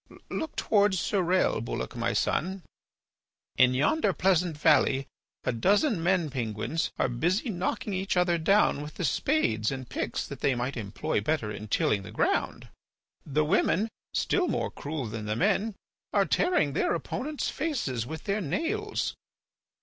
"Look towards Surelle, Bulloch, my son. In yonder pleasant valley a dozen men penguins are busy knocking each other down with the spades and picks that they might employ better in tilling the ground. The women, still more cruel than the men, are tearing their opponents' faces with their nails.